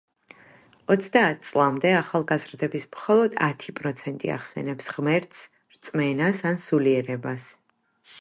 ოცდაათ წლამდე ახალგაზრდების მხოლოდ ათი პროცენტი ახსენებს ღმერთს, რწმენას, ან სულიერებას.